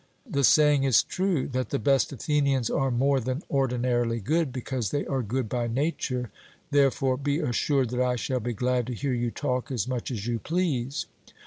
The saying is true, that the best Athenians are more than ordinarily good, because they are good by nature; therefore, be assured that I shall be glad to hear you talk as much as you please.'